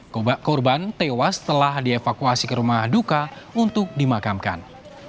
korban tewas setelah dievakuasi ke rumah duka untuk dimakamkan